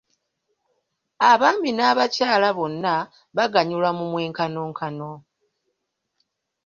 Abaami n'abakyala bonna buganyulwa mu mwenkanonkano.